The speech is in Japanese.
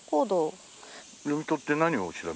読み取って何を調べるの？